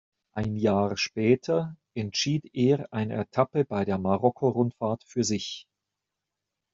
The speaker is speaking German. Ein Jahr später entschied er eine Etappe bei der Marokko-Rundfahrt für sich.